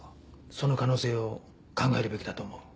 その可能性を考えるべきだと思う。